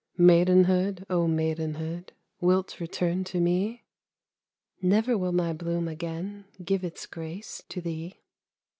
_ Maidenhood, O maidenhood, Wilt return to me? Never will my bloom again _Give its grace to thee.